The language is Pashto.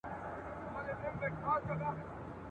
مُلا بیا ویل زه خدای یمه ساتلی `